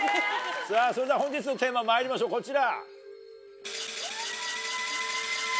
それでは本日のテーマまいりましょうこちら。